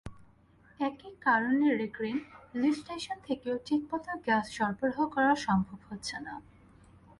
একই কারণেগ্রিন leaf station থেকেও ঠিকমতো গ্যাস সরবরাহ করা সম্ভব হচ্ছে না।